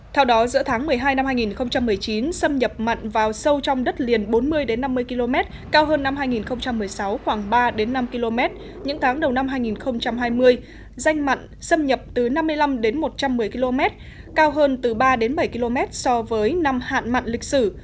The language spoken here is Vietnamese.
theo đó giữa tháng một mươi hai năm hai nghìn một mươi chín xâm nhập mặn vào sâu trong đất liền bốn mươi năm mươi km cao hơn năm hai nghìn một mươi sáu khoảng ba năm km những tháng đầu năm hai nghìn hai mươi danh mặn xâm nhập từ năm mươi năm đến một trăm một mươi km cao hơn từ ba đến bảy km so với năm hạn mặn lịch sử